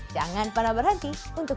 jangan pernah berhenti untuk